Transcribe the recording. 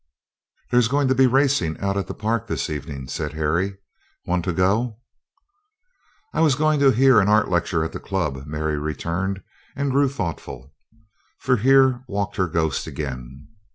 "There's going to be racing out at the park this evening," said Harry. "Want to go?" "I was going to hear an art lecture at the Club," Mary returned, and grew thoughtful; for here walked her ghost again.